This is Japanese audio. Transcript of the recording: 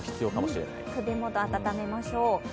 首元、温めましょう。